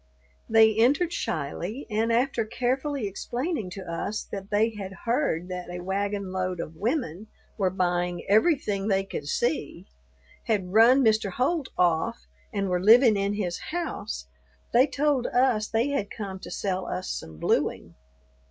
They entered shyly, and after carefully explaining to us that they had heard that a wagon load of women were buying everything they could see, had run Mr. Holt off, and were living in his house, they told us they had come to sell us some blueing.